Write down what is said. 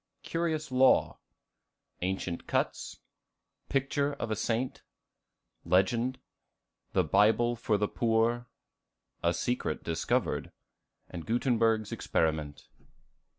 Curious Law. Ancient Cuts. Picture of a Saint. Legend. The Bible for the Poor. A Secret discovered. Gutenberg's Experiment.